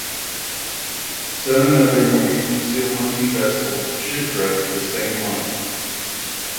Seven other Norwegian seal hunting vessels shipwrecked the same month.